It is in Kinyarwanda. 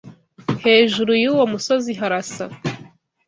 Hejuru yuwo musozi harasa.